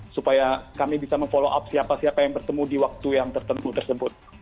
supaya kami bisa memfollow up siapa siapa yang bertemu di waktu yang tertentu tersebut